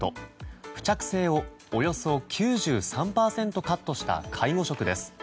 付着性をおよそ９３％カットした介護食です。